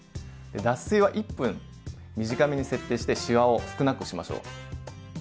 脱水は１分短めに設定してしわを少なくしましょう。